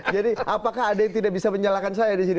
jadi apakah ada yang tidak bisa menyalahkan saya disini